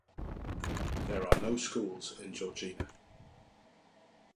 There are no schools in Georgina.